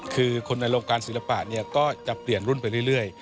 คือคนในโรงการศิลปะเนี่ยก็จะเปลี่ยนรุ่นไปเรื่อย